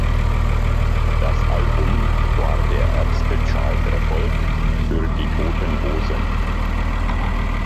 Das Album war der erste Charterfolg für Die Toten Hosen.